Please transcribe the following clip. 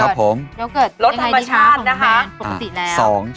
รสธรรมชาตินะคะ